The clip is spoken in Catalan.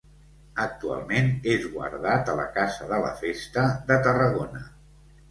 Actualment és guardat a la Casa de la festa de Tarragona.